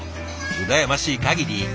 羨ましいかぎり。